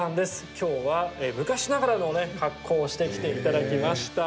きょうは昔ながらの格好をしていただきました。